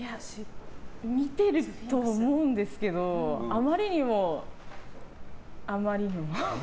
見てると思うんですけどあまりにも、あまりにも。